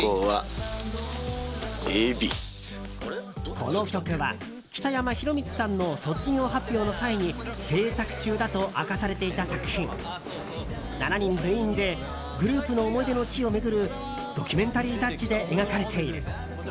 この映像は、北山宏光さんが卒業の際のタイミングで制作され７人全員でグループの思い出の地を巡るドキュメンタリータッチで描かれている。